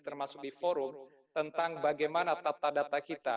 termasuk di forum tentang bagaimana tata data kita